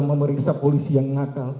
memeriksa polisi yang ngakal